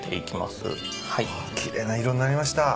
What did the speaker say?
奇麗な色になりました。